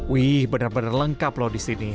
wih benar benar lengkap loh di sini